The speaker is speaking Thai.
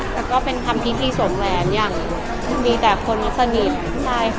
และก็เป็นคำพี่ที่สวงแหลมมีแต่คนสนิท